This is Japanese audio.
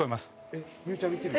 えっゆうちゃみ行ってみる？